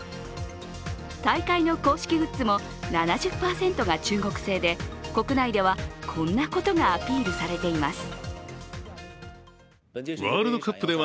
大会の公式グッズも７０％が中国製で国内ではこんなことがアピールされています。